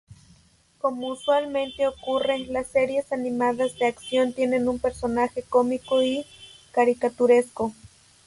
Como usualmente ocurre, las series animadas de acción tienen un personaje cómico y caricaturesco.